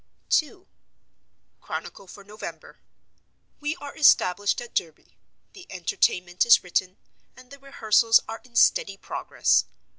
II. Chronicle for November. We are established at Derby. The Entertainment is written; and the rehearsals are in steady progress.